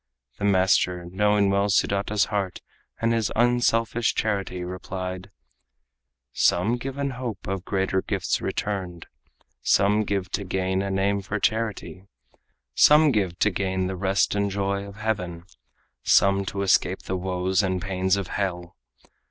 The master, knowing well Sudata's heart And his unselfish charity, replied: "Some give in hope of greater gifts returned; Some give to gain a name for charity; Some give to gain the rest and joy of heaven, Some to escape the woes and pains of hell.